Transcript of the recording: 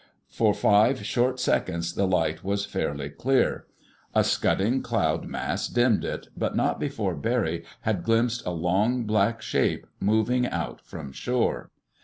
For five short seconds the light was fairly clear. A scudding cloud mass dimmed it, but not before Barry had glimpsed a long, black shape moving out from shore.